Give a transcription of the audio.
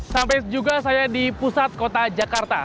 sampai juga saya di pusat kota jakarta